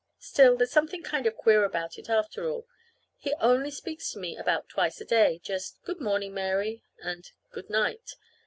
Still, there's something kind of queer about it, after all. He only speaks to me about twice a day just "Good morning, Mary," and "Good night."